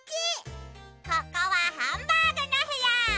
ここはハンバーグのへや！